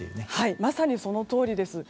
まさにそのとおりです。